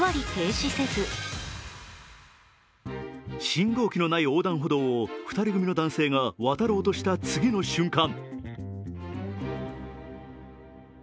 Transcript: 信号機のない横断歩道を２人組の男性が渡ろうとした次の瞬間。